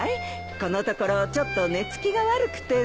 このところちょっと寝付きが悪くてね。